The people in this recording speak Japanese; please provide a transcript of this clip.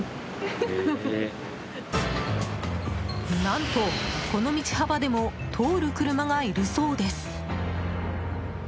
何と、この道幅でも通る車がいるそうです。